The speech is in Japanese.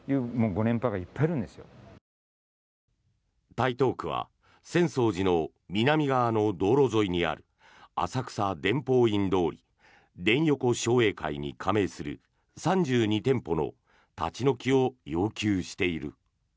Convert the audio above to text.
台東区は浅草寺の南側の道路沿いにある浅草伝法院通り伝横商栄会に加盟する３２店舗の立ち退きを要求している。